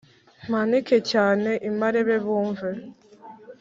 Mpanike cyane i Marebe bumve